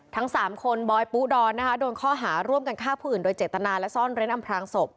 ทั้ง๓คนบอยปุดอนนะคะโดนข้อหาร่วมกันฆ่าผู้อื่นโดยเจตนาและซ่อนเร้นอำพลางศพ